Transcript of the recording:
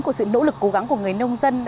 của sự nỗ lực cố gắng của người nông dân